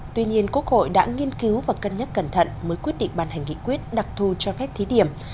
tuy nhiên quốc hội đã nghiên cứu và cân nhắc cẩn thận mới quyết định ban hành nghị quyết đặc thù cho phép thí điểm